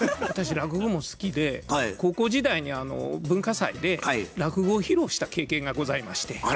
私落語も好きで高校時代に文化祭で落語を披露した経験がございまして。